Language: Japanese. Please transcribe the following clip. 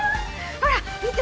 ほら見て！